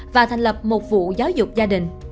và thành lập một vụ giáo dục gia đình